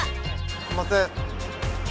すんません